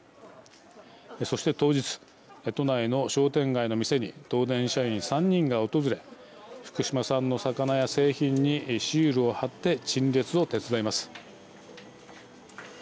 そして当日、都内の商店街の店に東電社員３人が訪れ福島産の魚や製品にシールを貼って陳列を手伝います。